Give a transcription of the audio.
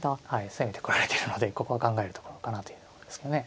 攻めてこられてるのでここは考えるところかなというところですかね。